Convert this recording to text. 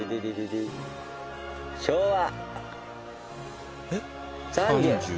「昭和」